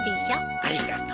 ありがとう。